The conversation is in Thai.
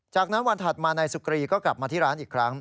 จากนั้นวันถัดมานายสุกรีก็กลับมาที่ร้านอีกครั้ง